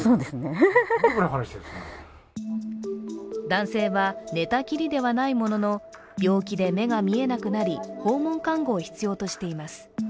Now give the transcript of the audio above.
男性は寝たきりではないものの病気で目が見えなくなり訪問看護を必要としています。